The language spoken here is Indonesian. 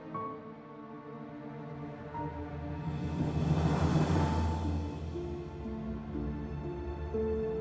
bang bang rerejeking